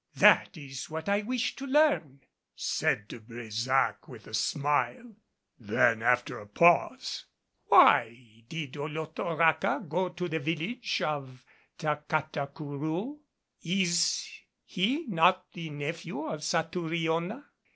That is what I wished to learn," said De Brésac with a smile. Then after a pause, "Why did Olotoraca go to the village of Tacatacourou? Is he not the nephew of Satouriona?